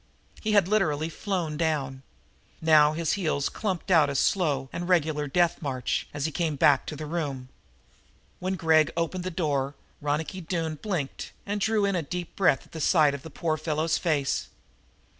He had literally flown down. Now his heels clumped out a slow and regular death march, as he came back to the room. When Gregg opened the door Ronicky Doone blinked and drew in a deep breath at the sight of the poor fellow's face.